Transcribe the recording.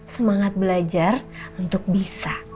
semangat belajar untuk bisa